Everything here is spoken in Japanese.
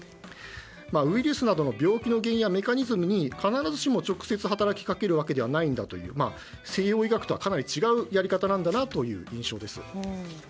ウイルスなどの病気の原因やメカニズムに必ずしも直接働きかけるわけではないんだという西洋医学とはかなり違うやり方なんだなという印象です。